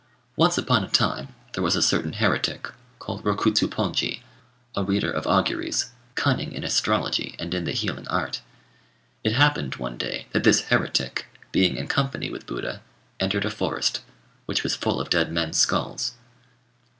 Once upon a time there was a certain heretic, called Rokutsuponji, a reader of auguries, cunning in astrology and in the healing art. It happened, one day, that this heretic, being in company with Buddha, entered a forest, which was full of dead men's skulls.